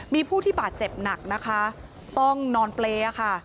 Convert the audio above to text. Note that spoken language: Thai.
มีผู้ที่บาดเจ็บหนักนะคะต้องนอนเปรย์ค่ะ